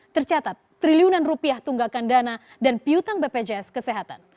tercatat triliunan rupiah tunggakan dana dan piutang bpjs kesehatan